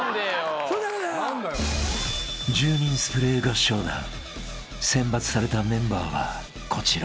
［１０人スプレー合唱団選抜されたメンバーはこちら］